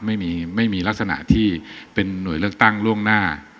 ไม่มีไม่มีลักษณะที่เป็นหน่วยเลือกตั้งล่วงหน้า